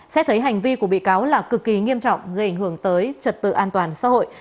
xét thấy hành vi của bị cáo là cực kỳ nghiêm trọng gây ảnh hưởng tới trật tự an toàn xã hội